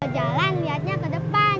jalan liatnya ke depan